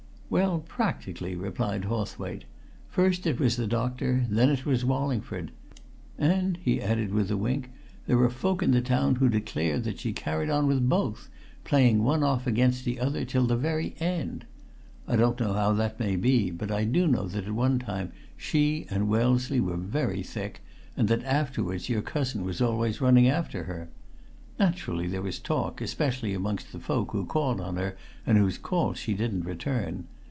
"Well, practically," replied Hawthwaite. "First it was the doctor; then it was Wallingford. And," he added, with a wink, "there are folk in the town who declare that she carried on with both, playing one off against the other, till the very end! I don't know how that may be, but I do know that at one time she and Wellesley were very thick, and that afterwards your cousin was always running after her. Naturally, there was talk, especially amongst the folk who'd called on her and whose calls she didn't return.